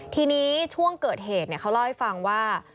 ทีนี้ช่วงเกิดเหตุเขาเล่าให้ฟังว่า